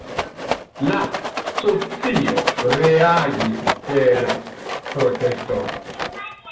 La socio reagis per protesto.